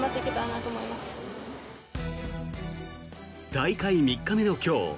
大会３日目の今日